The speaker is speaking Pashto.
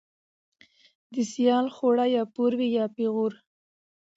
ـ د سيال خواړه يا پور وي يا پېغور.